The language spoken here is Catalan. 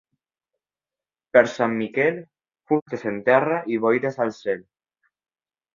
Per Sant Miquel, fustes en terra i boires al cel.